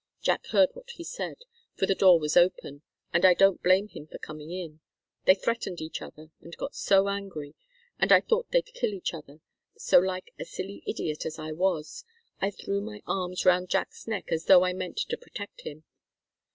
Jack heard what he said, for the door was open, and I don't blame him for coming in. They threatened each other, and got so angry, and I thought they'd kill each other, so, like a silly idiot as I was, I threw my arms round Jack's neck as though I meant to protect him.